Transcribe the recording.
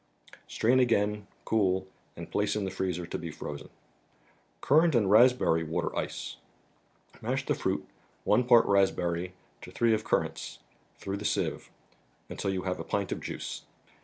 Strain again, cool, and place in the freezer to be frozen. Currant anti Baspbcrrp flUater Mash the fruit, one part of raspberry to three of cur¬ rants, through the sieve, until you have a pint of juice.